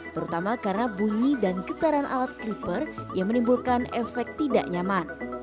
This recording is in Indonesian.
terutama karena bunyi dan getaran alat clipper yang menimbulkan efek tidak nyaman